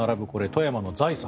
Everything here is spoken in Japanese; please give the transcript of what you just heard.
富山の財産